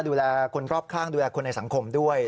ดูแลคนรอบข้างดูแลคนในสังคมด้วย